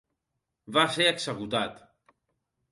Va ser executat.